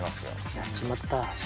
やっちまったし。